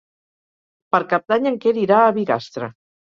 Per Cap d'Any en Quer irà a Bigastre.